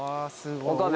岡部。